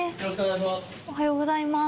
・おはようございます。